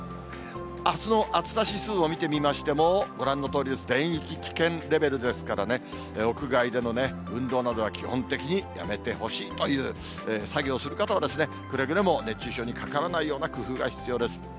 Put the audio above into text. あすの暑さ指数を見てみましても、ご覧のとおりです、全域、危険レベルですからね、屋外での運動などは、基本的にやめてほしいという、作業する方は、くれぐれも熱中症にかからないような工夫が必要です。